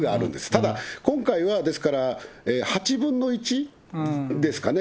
ただ、今回は、ですから８分の１ですかね。